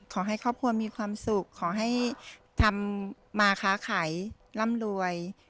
ขอให้ครอบครัวมีความสุขขอให้ทำมาค้าขายร่ำรวย